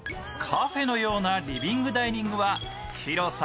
カフェのようなリビングダイニングは広さ